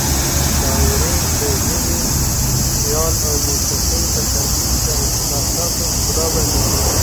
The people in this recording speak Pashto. شاعري د ژبې، خیال او موسيقۍ په ترکیب د احساساتو ښکلا وړاندې کوي.